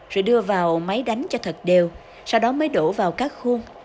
rồi đưa vào máy đánh cho thật đều sau đó mới đổ vào các khuôn